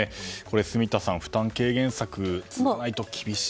住田さん、負担軽減策が続かないと厳しい。